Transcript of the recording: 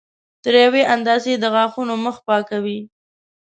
تر یوې اندازې د غاښونو مخ پاکوي.